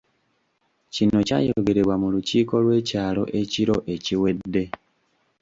Kino kyayogerebwa mu lukiiko lw'ekyalo ekiro ekiwedde.